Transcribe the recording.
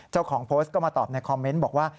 เจ้าของโพสต์ก็มาตอบในคอมเมนต์บอกว่า